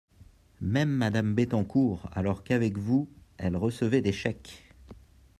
Même Madame Bettencourt, alors qu’avec vous, elle recevait des chèques